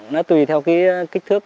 nó tùy theo cái kích thước